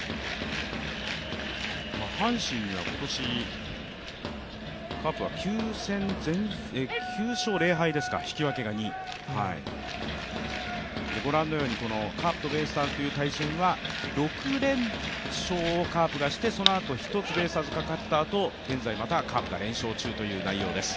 阪神は今年、カープは９勝０敗ですか、引き分けが２、ご覧のようにカープとベイスターズという対戦は６連勝をカープがしてそのあと１つベイスターズが勝ったあと、現在またカープが連勝中という内容です。